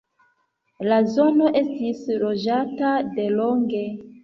La zono estis loĝata delonge.